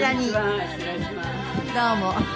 どうも。